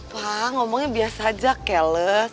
pak ngomongnya biasa aja keles